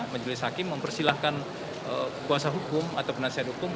majelis hakim mempersilahkan kuasa hukum atau penasihat hukum